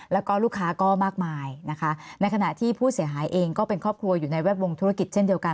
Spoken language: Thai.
แล้วก็ลูกค้าก็มากมายนะคะในขณะที่ผู้เสียหายเองก็เป็นครอบครัวอยู่ในแวดวงธุรกิจเช่นเดียวกัน